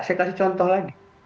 saya kasih contoh lagi